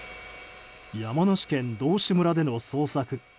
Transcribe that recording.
山梨県道志村での捜索。